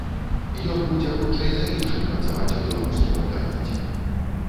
Ён будзе хутчэй за іншых працаваць у беларускім інтэрнэце.